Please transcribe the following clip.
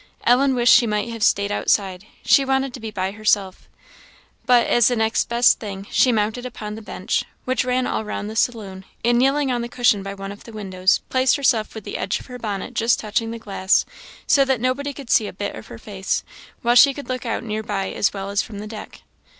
Ellen wished she might have stayed outside; she wanted to be by herself; but, as the next best thing, she mounted upon the bench, which ran all round the saloon, and kneeling on the cushion by one of the windows, placed herself with the edge of her bonnet just touching the glass, so that nobody could see a bit of her face, while she could look out near by as well as from the deck.